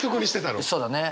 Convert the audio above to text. そうだね。